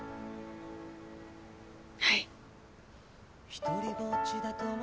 はい。